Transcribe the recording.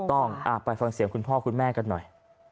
ต้องไปฟังเสียงคุณพ่อคุณแม่กันหน่อย